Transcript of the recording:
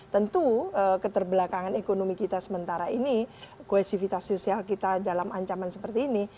tentu keterbelakangan ekonomi kita sementara ini koesivitas sosial kita dalam ancaman seperti ini